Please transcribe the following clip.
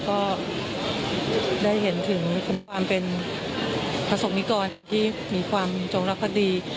ก็ได้เห็นถึงความเป็นประสบนิกรที่มีความจงรักภักดี